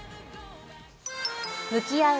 向き合う